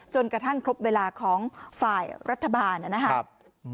จนกระทั่งครบเวลาของฝ่ายรัฐบาลนะครับ